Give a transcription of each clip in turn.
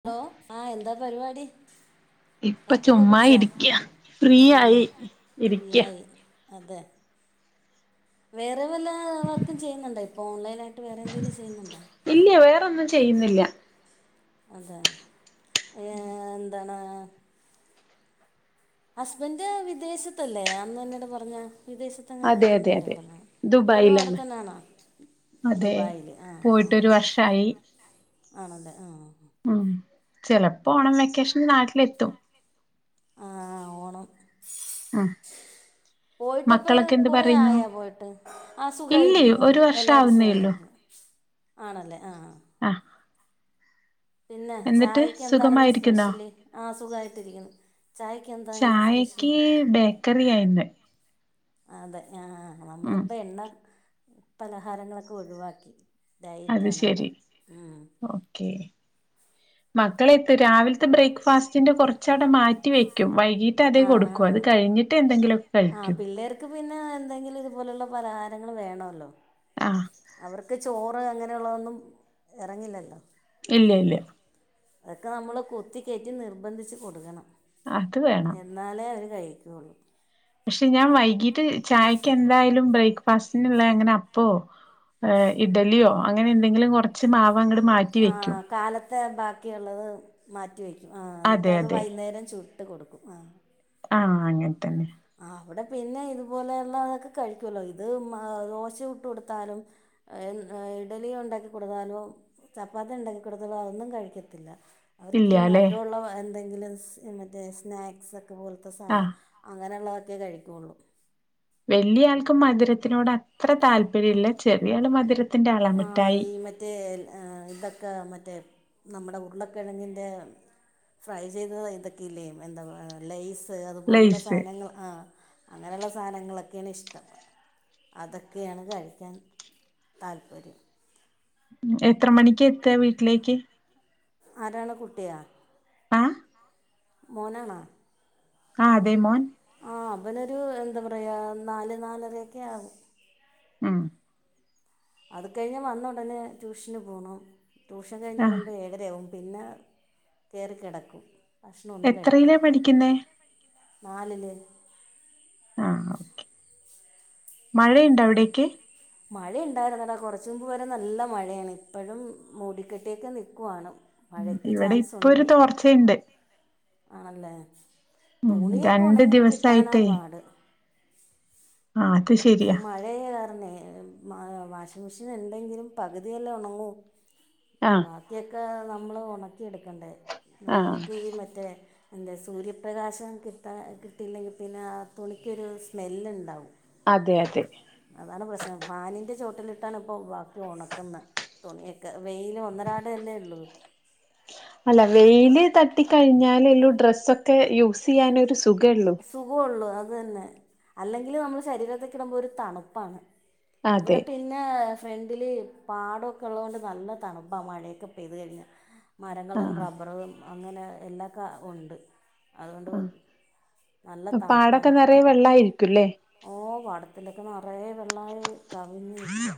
Hello, ആഹ് എന്താ പരിപാടി? ഇപ്പൊ കാപ്പിയൊക്കെ ചുമ്മാ കുടിച്ചാ ഇരിക്ക. ഫ്രീ ആണോ ആയി ഇരിക്ക. ഫ്രീയായി അതെ, വേറെ വല്ല വർക്കും ചെയ്യുന്നുണ്ടോയിപ്പോ. ഓൺലൈനാ ഇല്ല, വേറൊന്നും ചെയ്യുന്നില്ല. അതെ എ എന്താണ്? ഹസ്ബൻറ് വിദേശത്തല്ലേ, അന്ന് എന്നോട് പറഞ്ഞേ. അതെ അതെ വിദേശത്തെങ്ങാണ്ടാണെന്നല്ലേ അതെ പറഞ്ഞേ. ഇപ്പോഴും ദുബായിലാണ് അവിടെത്തന്നെയാണോ? അതെ, പോയിട്ടൊരു വർഷമായി. ആണല്ലേ, ആഹ് ഉം ചെലപ്പോ ഓണം വെക്കേഷന് നാട്ടിലെത്തും. ആ ആ, ആഹ പോയിട്ടപ്പോ കൊറെയായോ പോയിട്ട് ആ ഇല്ലേ സുഖമായിരിക്കുന്നു. ഒരു വർഷം എല്ലാരും ആവുന്നേള്ളൂ സുഖമായിരിക്കുന്നു. ആണല്ലേ. ആ ആ. ആഹ് പിന്നെ എന്നിട്ട് ചായക്ക് എന്താണിന്ന് സുഖമായിരിക്കുന്നോ സ്പെഷ്യല്. ആ അ സുഖമായിട്ടിരിക്കുന്നു. ചായക്ക് ബേക്കറിയായിന്ന്. അതെ ആ നമ്മളിപ്പോ എണ്ണ പലഹാരങ്ങളൊക്കെ ഒഴിവാക്കി. അത് ഡയറ്റാണ് ഇവിടെ ശരി ഉം ഓക്കെ. മക്കളെത്തി രാവിലത്തെ ബ്രേക്ക്ഫാസ്റ്റിന്റെ കുറച്ചവിടെ മാറ്റിവെക്കും. വൈകീട്ട് അതെ ആ ആ കൊടുക്കും. അത് വൈകുന്നേരം കഴിഞ്ഞിട്ട് എന്തെങ്കിലുമൊക്കെ കൊടുക്കും അത് കഴിഞ്ഞിട്ട് ആ എന്തെങ്കിലും കഴിക്കും. പിള്ളേർക്ക് പിന്നെ എന്തെങ്കിലും ഇതുപോലുള്ള പലഹാരങ്ങൾ വേണമല്ലോ. അവർക്ക് ചോറ്. അങ്ങനെയുള്ളതൊന്നും ഇറങ്ങില്ലല്ലോ. ഇല്ല ഇല്ല. അതൊക്കെ നമ്മൾ കുത്തിക്കേറ്റി നിർബന്ധിച്ചു കൊടുക്കണം. അത് വേണം എന്നാലേ അവര് കഴിക്കുകയുള്ളൂ. പക്ഷെ ഞാൻ വൈകീട്ട് ചായയ്ക്ക് എന്തായാലും. ബ്രേക്ക് ഫസ്റ്റിനുള്ള എങ്ങനാ അപ്പമോ ഇഡ്ഡലി യോ അങ്ങനെന്തെങ്കിലും. കുറച്ച് മാവ് അങ്ങോട്ട് മാറ്റി വെക്കും ആഹ് കാലത്തെ ബാക്കിയുള്ളത് മാറ്റിവെക്കും. ആ എന്നിട്ട് അതെ അത് അതെ വൈകുന്നേരം ചുട്ട് കൊടുക്കും ആഹ. ആഹ അങ്ങനെ തന്നെ. ആ അവിടെ പിന്നെ ഇതുപോലെയുള്ള തൊക്കെ കഴിക്കുവല്ലോ. ഇത് ദോശ ചുട്ട് കൊടുത്താലും ഇഡ്ലി ഉണ്ടാക്കിക്കൊടുത്താലോ, ചപ്പാത്തി ഉണ്ടാക്കിക്കൊടുത്താലോ അതൊന്നും കഴിക്കത്തില്ല. അവർക്ക് ഇല്ല ഈ അല്ലെ മധുരമുള്ള എന്തെങ്കിലും മറ്റേ സ്നാക്സൊക്കെ പോലത്തെ സാധനം ആഹ് അങ്ങനെയുള്ളതൊക്കെ കഴിക്കുവുള്ളൂ. വലിയ ആൾക്കും മധുരത്തിനോട് അത്ര താല്പര്യമില്ല. ചെറിയ ആള് മധുര ആഹ് ഈ മറ്റേ ഇതക്കെ മറ്റേ നമ്മുടെ ഉരുളക്കിഴങ്ങിൻ്റെ ഫ്രൈ ചെയ്ത ഇതൊക്കെ ഇല്ലെ എന്താ ലൈസ് അതുപോലുള്ള ലൈസ് സാധനങ്ങൾ ആ അങ്ങനെയുള്ള സാധനങ്ങളൊക്കെയാണ് ഇഷ്ടം. അതൊക്കെയാണ് കഴിക്കാൻ താല്പ ശരി. എത്ര മണിക്ക് എത്തയ വീട്ടിലേക്ക്? ആരാണ് കുട്ടിയാ [inaudible] മോനാണോ? അതെ മോൻ. ആ അവനൊരു എന്താ പറയാ നാല് നാലരൊക്കെ ആകും. ആ അത് കഴിഞ് വന്ന ഉടനെ ട്യൂഷന് പോകണം. ട്യൂഷൻ കഴിഞ്ഞ് ആ വരുമ്പോൾ ഏഴരയാവും. പിന്നെ കയറി കിടക്കും. ഭക്ഷണമൊന്നും എത്രയിലേ പഠിക്കുന്നേ നാലിൽ ആഹ ഒക്കെ മഴയുണ്ടോ അവിടേക്ക്? മഴയ ഉണ്ടായിരുന്നടാ കുറച്ച മുമ്പ് വരെ നല്ല മഴയാണ്. ഇപ്പോഴും മൂടിക്കെട്ടേൊക്കെ നിൽക്കുവയാണ് ഇവിടെ ഇപ്പൊ ഒരു തോർച്ചുണ്ട്. ആണല്ലേ തുണിയൊക്കെ രണ്ട് ഉണങ്ങി കിട്ടാനാ ദിവസായിട്ടേ പാട്. ആ അത് ശരിയാ മഴയ കാരണേ വാഷിംഗ മെഷീൻ ഉണ്ടെങ്കിലും പകുതിയല്ലേ ഉണങ്ങൂ.. ആ ബാക്കിയൊക്കെ നമ്മൾ ഉണക്കിെടുക്കണ്ടേ ആ നമ്മൾക്ക് ഈ മറ്റേ എൻ്റെ സൂര്യപ്രകാശം കിട്ടാ കിട്ടിയില്ലെങ്കിൽ പിന്നെ ആ തുണിക്കൊരു സ്മെല്ലുണ്ടാവും. അതെ അതെ. അതാണ് പ്രശ്നം ഫാനിന്റെ ചുവട്ടിലിട്ടാണ് ഇപ്പോൾ ബാക്കി ഉണക്കുന്നത്. തുണിയൊക്കെ.. വെയില് ഒന്നരാട് അല്ലെ ഉള്ളു. തട്ടി കഴിഞ്ഞാൽ ഡ്രസക്കെ യൂസ് ചെയ്യൻ സുഖമള്ളു അത് തന്നെ അല്ലെങ്കിൽ നമ്മള് ശരീരത്തക്കെ ഇടുമ്പോൾ ഒരു തണുപ്പാണ്. ഇവിടെ അതെ പിന്നെ.. ഫ്രണ്ടില് പാടമൊക്കെ ഉള്ളതത് കൊണ്ട് നല്ല തണുപാ മഴയൊക്കെ പെയ്തു കഴിഞ്ഞാ ആ മരങ്ങളും റബ്ബറും അങ്ങനെ എല്ലാകാ ഉണ്ട്. അതുകൊണ്ട് ആ നല്ല പാടൊക്കെ തണുപ്പാണ് നിറയ വെള്ളായിരിക്കുംല്ലേ? ഓ പാടത്തിലൊക്കെ നിറയ വെള്ളമായി കവിഞ്ഞഞ് നൽക്കുവ.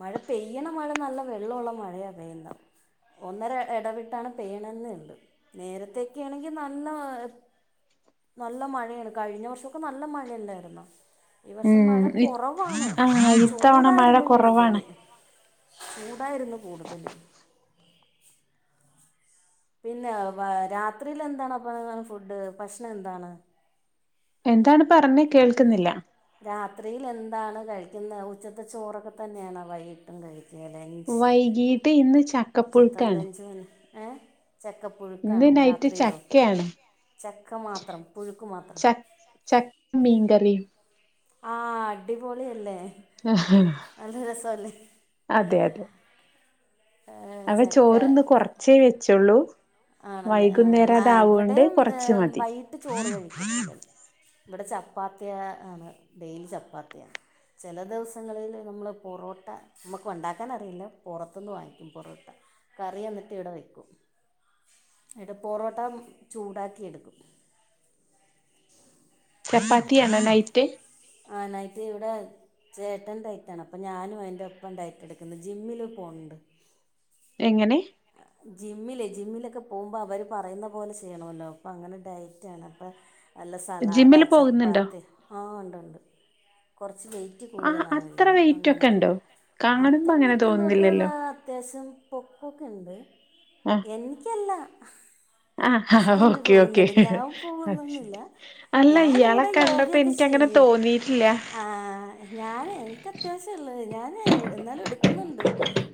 മഴ പെയ്യണ മഴ നല്ല വെള്ളമുള്ള മഴയാണ് പെയുന്നെ ഒന്നര ഇടവിട്ടാണ് പേയ്യണെന്നുണ്ട്. നേരത്തൊക്കെ ആണെങ്കിൽ നല്ല നല്ല മഴയാണ്. കഴിഞ്ഞ വർഷൊക്കെ നല്ല മഴയല്ലായിന്നോ? ഈ വർഷം ഉം മഴ ഇ കുറവാണ്. ആ ഇത്തവണ മഴ ചൂടായിരുന്നു കുറവാണ് കൂടുതല് ചൂടായിരുന്നു കൂടുതല് പിന്നെ രാത്രിൽ എന്താണ്പ്പ ഫുഡ് ഭക്ഷണം എന്താണ്? എന്താണ് പറഞ്ഞേ കേൾക്കുന്നില്ല. രാത്രിൽ എന്താണ് കഴിക്കുന്ന ഉച്ചത്തെ ചോറൊക്കെ തന്നെയാണ് വൈകിട്ടും കഴിക്കുന്നത്? വൈകീട്ട് ഇന്ന് ഉച്ചത്തെ ചക്കപ്പുഴുക്കാണ്. ലഞ്ച് മെനു ഏ ഇന്ന് ചക്കപ്പുഴുക്കാണോ നൈറ്റ് രാത്രിയിലോ ചക്കയാണ്. ചക്ക മാത്രം പുഴുക്ക് മാത്രം കറി ആ അടിപൊളിയല്ലേ ആ നല്ല രസമല്ലേ അതെ അതെ ഏ, അപ്പ ചക്ക ചോറ് ഇന്ന് കൊറച്ചേ വെച്ചുള്ളൂ ആണല്ലേ വൈകുന്നേരം ആ അതാവോണ്ട് ഇവിടേം കൊറച്ച് മതി വൈകിട്ട് ചോറ് കഴിക്കത്തില്ല ഇവിടെ ചപ്പാത്തിയ ആണ് ഡെയിലി ചപ്പാത്തിയാ ചില ദിവസങ്ങളില് നമ്മള് പൊറോട്ട നമുക്ക് ഉണ്ടാക്കാനറിയില്ല പുറത്തുന്ന് വാങ്ങിക്കും പൊറോട്ട കറി എന്നിട്ട് ഇവടെ വെക്കും എട പൊറോട്ട ചൂടാക്കി എടുക്കും ചപ്പാത്തിയണോ നൈറ്റ് ആ നൈറ്റ് ഇവിടെ ചേട്ടൻ ഡൈറ്റ് ആണ് അപ്പൊ ഞാനും അയിന്റെ ഒപ്പം ഡൈറ്റ് എടുക്കുന്നു ജിമ്മില് പോണ്ട് എങ്ങനെ ജിമ്മിലൊക്കെ പോകുമ്പോൾ അവർ പറയുന്ന പോലെ ചെയ്യണമല്ലോ അപ്പം അങ്ങനെ ഡയറ്റാണ് അപ്പ വല്ല സലാഡാ ജിമ്മില് പോകുന്നുണ്ടോ ചപ്പാത്തി ആ ഒണ്ട് ഒണ്ട് കുറച്ച് വെയിറ്റ് ആ അത്ര കൂടുതലാണിതിന് വെയിറ്റ് അങ്ങനെ ഒക്കെ ഉണ്ടോ കാണുമ്പോ അത്ര അങ്ങനെ വെയ്റ്റ്ന്ന് പറഞ്ഞാൽ തോന്നുന്നില്ലല്ലോ അത്യാവശ്യം പൊക്കഒക്കെ ണ്ട് ആ എനിക്കല്ല ആ ഹസ്ബൻഡ് ഓക്കെ ഓക്കെ പോകുന്നുണ്ട് ഞാൻ അത് പോകുന്നൊന്നുമില്ല ശെരി അല്ല ഇയാളെ ഞാനിവിടെ കണ്ടപ്പോ യോഗയൊക്കെ എനിക്ക ആ ഞനെ എനിക്ക്ത്യാവശള്ളത് ഞാൻ എന്നാലും എടുക്കുന്നുണ്ട്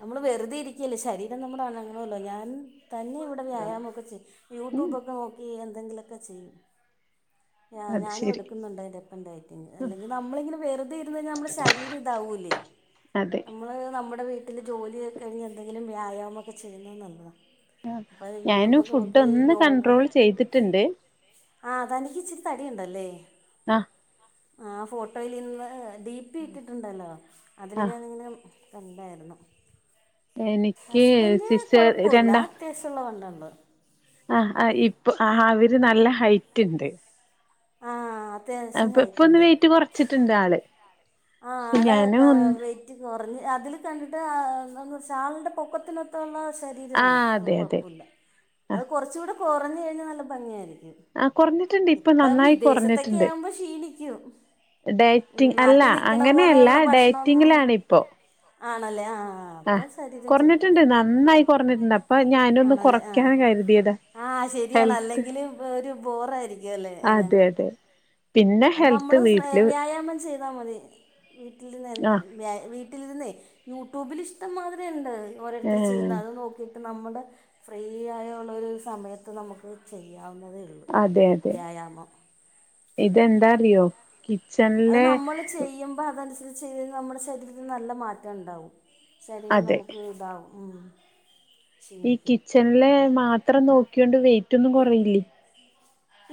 നമ്മള് വെറുത ഇരിക്കല്ലേ ശരീരം നമ്മുടെ അനങ്ങണല്ലോ ഞാൻ തന്നെ ഇവിടെ വ്യായാമൊക്കെ ചെയ്യും ഉം യൂട്യൂബൊക്കെ നോക്കി എന്തെങ്കിലൊക്കെ ചെയ്യും അത് ഞാനും ശരി എടുക്കുന്നുണ്ട് അതിന്റൊപ്പം ഡയറ്റിംഗ് അല്ലെങ്കി നമ്മൾ ഇങ്ങനെ വെറുത ഇരുന്ന് കഴിഞ്ഞാ നമ്മുടെ ശരീരം ഇതാവും പോകുലേ അതെ നമ്മള് നമ്മടെ വി വീട്ടിലെ ജോലിയൊക്ക കഴിഞ്ഞ് എന്തങ്കിലും വ്യായാമൊക്കെ ചെയ്യുന്നത് നല്ലതാ ആ ഞാനും ഫുഡ് ഒന്ന് യോഗ കൺണ്ട്രോൾ ചെയ്തിട്ട്ണ്ട് ആഹ് തനിക്ക് ഇച്ചിരി തടിയുണ്ടല്ലേ ആഹ് ആ ഫോട്ടോൽ ഇന്ന് ഡിപി ഇട്ടിട്ടുണ്ടല്ലോ അതില് ആഹ് ഞാനിങ്ങനെ കണ്ടായിരുന്നു എനിക്ക് ഹസ്ബൻഡ് സിസേർ കൊഴപ്പവില്ല രണ്ടാ അത്യാവശ്യമുള്ള വണ്ണണ്ട് ആഹ് ആ ഇപ്പൊ ആ അവര് നല്ല ഹൈറ്റ് ഇണ്ട് ആ അത്യാവശ്യം അപ്പൊ ഇപ്പൊന്ന് ഹൈറ്റുണ്ട് വെയിറ്റ് കൊറച്ചിട്ടുണ്ട് ആള് ആ പക്ഷെ ആള് ഞാനും ഒന്ന് വെയിറ്റ് കുറഞ്ഞ് അതില് കണ്ടിട്ട ണെന്ന് സാറിന്റെ പൊക്കത്തിനൊതൊള്ള ശരീരമാണ് ആഹ് അത് അതെ അതെ കുഴപ്പോല്ല അത് ആഹ് കുറച്ചുകൂടി കുറഞ്ഞ് കഴിഞ്ഞാൽ നല്ല ഭംഗിയായിരിക്കും ആഹ് കൊറഞ്ഞിട്ടുണ്ട് ഇപ്പൊ ഇപ്പ നന്നായി വിദേശത്തൊക്കെ ആവുമ്പോ ക്ഷീണിക്കും ഈ ഡൈറ്റിങ് അല്ല നാട്ടിൽ നിൽക്കണ അങ്ങനെയല്ല പോലെയുള്ള ഭക്ഷണമൊന്നും ഡൈറ്റിങ്ങിലാണിപ്പോ ആണല്ലേ ആ ആ അപ്പം ശരീരം ചുട്ടും കുറഞ്ഞിട്ടുണ്ട് നന്നായി കുറഞ്ഞിട്ടുണ്ട് അപ്പൊ ഞാനൊന്ന് കുറയ്ക്കാൻ കരുതിയതാ ആഹ് ശരിയാണ് ഹെൽത്ത് അല്ലെങ്കില് ഒരു ബോറ് ആയിരിക്കും അല്ലേ അതെ അതെ പിന്നെ അത് ഹെൽത്ത് നമ്മള് വീട്ടില് വ്യായാമം ചെയ്താ മതി വീട്ടിൽനിന്ന് ആഹ് വ്യ വീട്ടിലിരുന്നെ യൂട്യൂബിൽ ഇഷ്ടം മാതിരിയുണ്ട് ഓരോരുത്തര് ഏഹ് ചെയ്യുന്നത് അത് നോക്കിയിട്ട് നമ്മുടെ ഫ്രീ ആയുള്ള ഒരു സമയത്ത് നമുക്ക് ചെയ്യാം യ്യാവുന്നതേ ഉള്ളു അതെ അതെ വ്യായാമം ഇതെന്താ അറിയോ കിച്ചണിലെ ചെയ്തൽ നമ്മുടെ ശരീരത്തിന് നല്ല മാറ്റം ഉണ്ടാവും ശരീരം അതെ നമുക്ക് ഇതാവും ഈ ക്ഷീണിക്കും കിച്ചണിലെ മാത്രം നോക്കിയോണ്ട് വെയിറ്റൊന്നും കുറയില്ലേ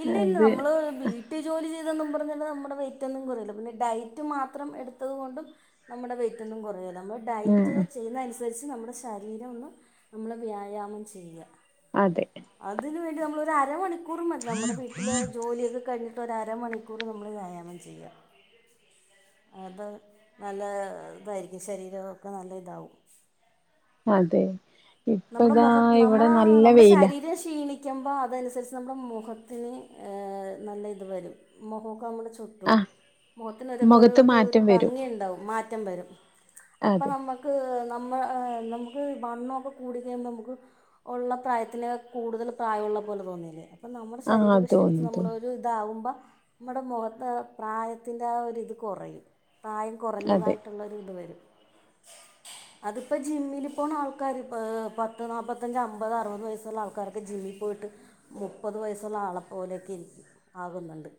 ഇല്ല ഇല്ല നമ്മള് വീട്ടിൽ ജോലി ചെയ് തെന്നും പറഞ്ഞാല് നമ്മുടെ വെയിറ്റൊന്നും കുറയില്ല പിന്നെ ഡയറ്റ് മാത്രം എടുത്തത് കൊണ്ടും നമ്മുടെ വെയിറ്റൊന്നും കുറയില്ല നമ്മൾ ഉം ഡയറ്റ് ഉം ചെയ്യുന്ന അനുസരിച്ച് നമ്മുടെ ശരീരം ഒന്ന് നമ്മൾ വ്യായാമം ചെയ്യുക അതെ അതിന് വേണ്ടി നമ്മളൊരു അരമണിക്കൂർ മതി നമ്മുടെ വീട്ടില് ജോലിയൊക്കെ കഴിഞ്ഞിട്ട് ട്ടരമണിക്കൂർ നമ്മൾ വ്യായാമം ചെയ്യ അത് നല്ല ഇതായിരിക്കും ശരീരൊക്കെ നല്ല ഇതാവും അതെ നമ്മുടെ ഇപ്പതാ മുഖ ഇവിടെ നമ്മളാ നല്ല നമ്മുടെ വെയിലാ ശരീരം ക്ഷീണി ക്കുമ്പോ അതനുസരിച്ചു നമ്മുടെ മുഖത്ത് നല്ല ഇത് വരും മുഖ നമ്മുടെ ച്ചുർട്ടും ആഹ് മൊത്തിനൊരൊക്കെ ഒരു മുഖത്ത് ഒരു രു മാറ്റം വരും ഭംഗിണ്ടാവും മാറ്റം വരും. അപ്പ അതെ നമ്മക്ക് നമ്മ നമുക്ക് വണ്ണൊക്കെ കൂടി കഴിയുമ്പോ നമുക്ക് ഉള്ള പ്രായത്തില് കൂടുതൽ പ്രായൊള്ള പോലെ തോന്നും അപ്പം നമ്മുടെ ആഹ് ശരീരൊക്കെഷീണിച്ച് തോന്നും തോന്നും നമ്മളൊരു ഇതാവുമ്പോ മ്മടെ മുഖത്ത് പ്രായത്തിന്റെ ആ ഒരിത് കൊറയും പ്രായം അതെ കൊറഞ്ഞതായിട്ടുള്ളൊര് ഇത് വരും അത്പ്പോ ജിമ്മില് പോണ ആൾക്കാര് പത്ത് നാപ്പത്തഞ്ച് അമ്പത് അറുപത് വയസുള്ള ആൾക്കാരൊക്കെ ജിമ്മിൽ പോയിട്ട് മുപ്പത് വയസ്ള്ള ആളപ് ഓലൊക്കെയ് ആകുന്ന്ണ്ട്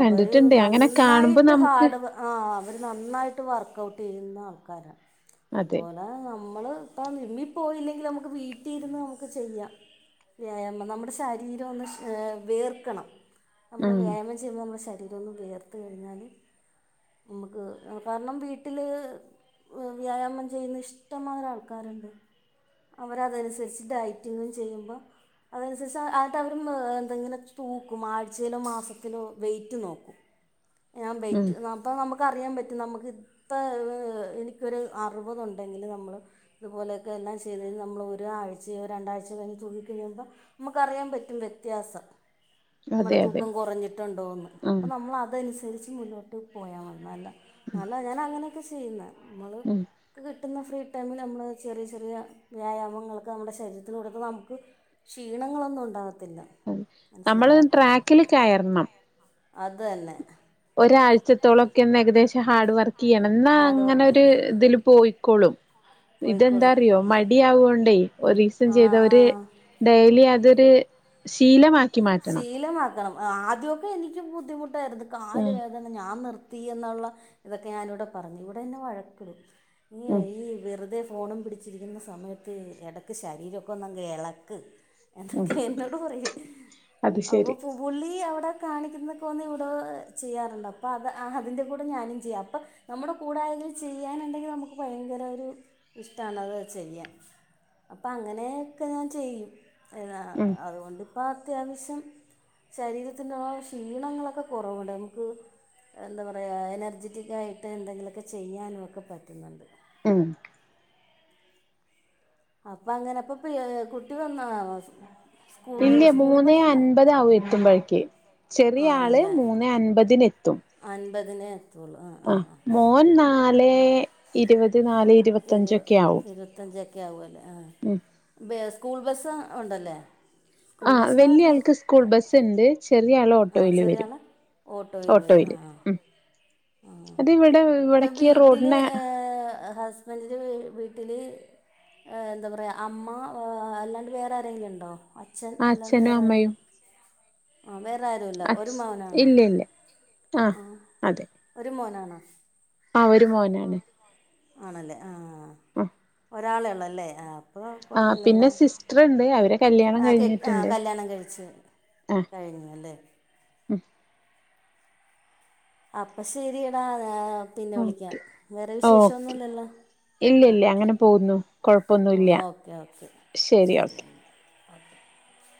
അവര് അങ്ങനെ കാണുമ്പോ നന്നായിട്ട് നമുക്ക് ഹാഡ് ആ അവര് നന്നായിട്ട് വർക്കഔട്ട് ചെയ്യുന്ന ആൾക്കാര അതെ അതുപോലെ നമ്മള് ട്ട നി പോയില്ലെങ്കിലും നമുക്ക് വീട്ടീ ഇര്ന്ന് നമുക്ക് ചെയ്യാ വ്യായാമം നമ്മുടെ ശരീരൊന്ന് വേയർക്കണം നമ്മള് ഉം വ്യായമം ചെയ്യുമ്പോൾ നമ്മുടെ ശ ഇതൊന്ന് വിയർത് കഴിഞ്ഞാല് മ്മക്ക് കാരണം വീട്ടില് വ്യായാമം ചെയ്യുന്ന ഇഷ്ട്ടംമ്മാരെ ആൾക്കാര്ണ്ട് അവര അതൻസരിച്ച് ഡയറ്റിങ്ങും ചെയ്യുമ്പോ അതനുസരിച്ച് ആട്ട് അവര് മ് എന്ത ങ്ങനെ തൂക്കും ആഴ്ചയിലൊ മാസത്തിലും വെയ്റ്റ് നോക്കും ഞാൻ ഉം ബെറ്റ് അപോ നമക്ക് ക്ക അറിയാപറ്റും നമുക്ക് ഇപ്പൊ എനിക്കൊരു അറുപത് ഉണ്ടെങ്കില് നമമൾ ഇതുപോലെ ഒക്കെ എല്ലാം ചെയ് കഴഞ്ഞാൽ നമ്മൾ ഒരാഴ്ചയോ രണ്ടാഴ്ച കഴഞ്ഞ് തുകി കഴിയുമ്പോൾ നമുക്കറിയാൻ പറ്റും വ്യത്യാസം മ്മടെ, അതെ അതെ തൂക്കം, കൊറഞ്ഞിട്ടുണ്ടോന്ന്, ഉം അപ്പൊ, നമ്മള് അതനുസരി ച്ച്, മുന്നോട്ട്, പോയാ മതി. നല്ല, നല്ല, ഞാനഅങ്ങനൊക്കെ, ചെയ്യുന്നെ, നമ്മള് ഉം [unintelligible] പിന്നെ, ഫ്രീ, ടൈമില് നമ്മള് ചെറിയ, ചെറിയ, വ്യായാമങ്ങളൊക്കെ, നമ്മുടെ, ശരീരത്തിന്, കൊടുക്കുമ്പോ, നമുക്ക്, ക്ഷീണങ്ങളൊന്നും, ഉണ്ടാകത്തി അ, നമ്മള്, ട്രാക്കില്, കയറണം. അത് ന്നെ. ഒരാഴ്ചത്തോളൊക്കെ ഒന്ന് ഏകദേശം ഹാർഡ്, വർക്കെയ്യണം. ന്നാ, ഹാർഡ് അങ്ങനെ, വർക്ക് ഒരു തില് പോയിക്കോളും. ഇതെന്താ, പോയിക്കോളും അറ്യോ, മടിയാവൊണ്ടേ, ഒറീസം ആ ചെയ്ത ആ ഒര്, ഡെയിലി അത് ര്, ശീലമാ ശീലമാക്കണം. ആദ്യക്കെ, എനിക്ക്, ബുദ്ധിമുട്ടായിരുന്നു, കാല്, ഉം വേദ, ന ഞാൻ നിർ ത്തി, എന്നുള്ള, ഇതൊക്കെ, ഞാനിവിടെ, പറഞ്ഞു, ഇവിടെന്നെ, വഴക്കിടും, നീയേ, ഉം നീ വെറുതെ ഫോണും, പിടിച്ചിരിക്കുന്ന, സമയത്ത്, എടയ്ക്ക്, ശരീരൊക്കെ, ഒന്നങ്ങ്, എളക്ക് ഉം എന്നൊക്കെ, എന്നോട്, പറയും, അത് അപ്പ, ശരി പൂ നീ, അവിടെ, കാണിക്കുന്നൊക്കെ, വന്ന്, ഇവിടെ ചെയ്യാറുണ്ടോ അപോ, ആ, അതിന്റെ, കൂടെ ഞാനും ചെയ്യാ അപോ ന മ്മുടെ, കൂടെ, ആരെലും, ചെയ്യാനുണ്ടെങ്കി, നമുക്ക്, ഭയങ്കര, ഒരു ഇഷ്ട്ടാണ്, അത് ചെയ്യാൻ. അപ്പ. അങ്ങനെയൊക്കെ, ഞാൻ, ചെയ്യും. ഏ, ഉം അതുകൊണ്ടിപ്പ, അത്യാവശ്യം ശരീരത്തിന്റെ, ഓ, ക്ഷീണങ്ങളൊക്കെ, കൊറവുണ്ട്, നമുക്ക് എന്താ, പറയാ. എനർജിറ്റിക്, ആയിട്ട്, എന്തെങ്കിലുമൊക്കെ, ചെയ്യാനൊക്കെ, പറ്റുന്നുണ്ട്. ഉം അപ്പൊ അങ്ങനെ പ്പൊ ഫ്രീയായൊ കുട്ടി വന്നാ ഇല്ല്യ മൂന്നെഅൻപതാവും എത്തുമ്പോഴേക്ക് ചെറിയ ആള് മൂന്നെ അൻപതിനെത്തും ബതിന് ആ മോൻ നാലേ ഇരുവത് നാലേഇരുവതഞ്ച് ഒക്കെ ആവും ഓക്കെആവുഅല്ലെ ആ ബെ സ്കൂൾ ബസ് ഉണ്ടല്ലേ സ്കൂൾ ആഹ് ബസ്സിനാണ് വരുന്നത് വല്ല്യആൾക്ക് സ്കൂൾ ബസ്സ്ണ്ട് ചെ റിയാള് ആ ഓട്ടോയില് ചെറിയ ആൾ ഓട്ടോയിൽ വരും ആ വരുംംഓട്ടോയില് ആ ഉം അത് എവിടെ ഇവടെക്ക് റോഡ്ന് ഹ ഹസ്ബൻഡിന്റെ വി വീട്ടില് എന്താ പറയാ അമ്മ അല്ലാണ്ട് വേറെ ആരെങ്കിലുണ്ടോ അച്ഛൻ അല്ലാണ്ട്‌ അച്ഛനും വേറെ ആരെ അമ്മയും ആ വേറെ ആരൂല്ല ഒരു അച് മകനാണോ ഇല്ല ഇല്ല ആഹ് ആ അതെ രു മോനാണോ ആ ഒരു മോനാണ് ആണല്ലേ ആ ആ ഒരാളെള്ള്വല്ലേ ആ അപ്പോൾ ആ കുഴപ്പമില്ലല്ലോ പിന്നെ സിസ്റ്ററ്ണ്ട് അവര് ആ കെ ആ കല്ല്യാണം കഴിച്ചു കഴിഞ്ഞു അല്ലേ ഉം അപ്പൊ ശെരിടാ ഞാ പിന്നെ വിളിക്കാം വേറെ വിശേഷൊന്നുല്ലല്ലോ ഇല്ലില്ല അങ്ങനെ പോകുന്നു കൊഴപ്പൊന്നുംല്ല പോകണം ഓക്കെ ഓക്കെ ശെരി ശരി ഓക്കെ [unintelligible]